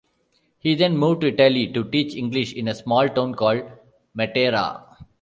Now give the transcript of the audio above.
He then moved to Italy to teach English in a small town called Matera.